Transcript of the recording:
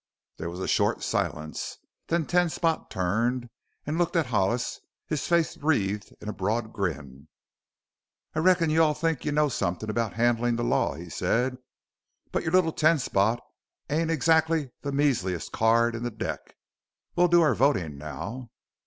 There was a short silence. Then Ten Spot turned and looked at Hollis, his face wreathed in a broad grin. "I reckon you all think you know somethin' about handlin' the law," he said, "but your little Ten Spot ain't exactly the measliest card in the deck! We'll do our votin' now."